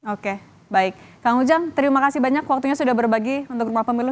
oke baik kang ujang terima kasih banyak waktunya sudah berbagi untuk rumah pemilu